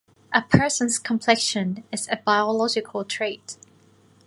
A person's complexion is a biological trait.